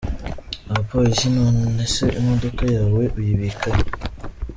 Abapolisi : None se imodoka yawe uyibika he?.